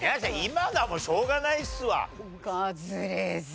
今のはもうしょうがないっすわ。